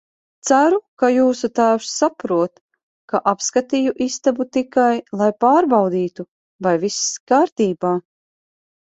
Ceru, ka jūsu tēvs saprot, ka apskatīju istabu tikai, lai pārbaudītu, vai viss kārtībā.